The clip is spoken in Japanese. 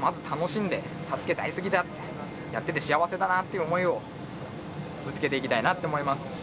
まず楽しんで「ＳＡＳＵＫＥ大好きだ」って「やってて幸せだな」っていう思いをぶつけていきたいなって思います